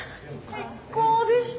最高でした！